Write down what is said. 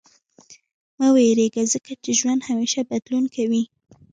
• مه وېرېږه، ځکه چې ژوند همېشه بدلون کوي.